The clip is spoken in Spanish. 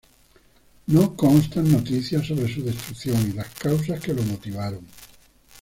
No constan noticias sobre su destrucción y las causas que lo motivaron.